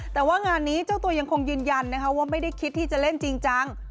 แต่ว่างานนี้เจ้าตัวยังคงยืนยันนะคะว่าไม่ได้คิดที่จะเล่นจริงจัง